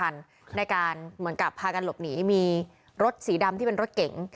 ในการเหมือนกับพากันหลบหนีมีรถสีดำที่เป็นรถเก๋ง